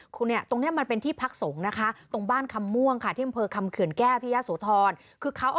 คุณนี่ตรงนี้มันเป็นที่พักสงศ์นะคะ